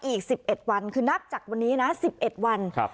อีกสิบเอ็ดวันคือนักจากวันนี้นะสิบเอ็ดวันครับ